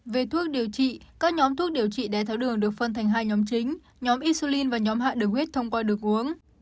về thuốc điều trị các nhóm thuốc điều trị đáy tháo đường được phân thành hai nhóm chính nhóm insulin và nhóm hạ đường huyết thông qua được uống